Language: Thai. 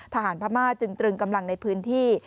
พม่าจึงตรึงกำลังในพื้นที่